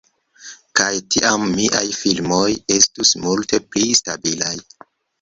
Kaj tiam miaj filmoj estus multe pli stabilaj.